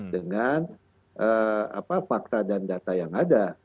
dengan fakta dan data yang ada